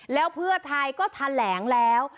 แล้วพรือไทยก็ทะแหลงแล้ว